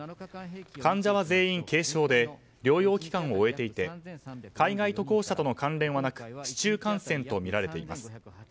患者は全員軽症で療養期間を終えていて海外渡航者との関連はなく市中感染とみられています。